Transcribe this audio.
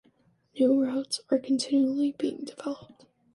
New routes are continually being developed.